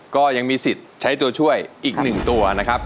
ก็ยังมีสิทธิ์ใช้ตัวช่วยอีก๑ตัวนะครับ